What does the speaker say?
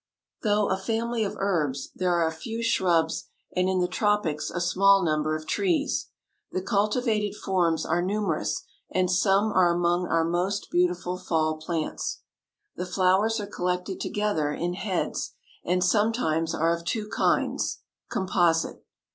Though a family of herbs, there are a few shrubs and in the tropics a small number of trees. The cultivated forms are numerous, and some are among our most beautiful fall plants. The flowers are collected together in heads, and sometimes are of two kinds (composite).